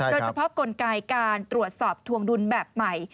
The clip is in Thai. กลไกการตรวจสอบทวงดุลแบบใหม่